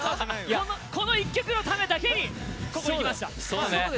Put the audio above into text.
この一曲のためにここに行きました。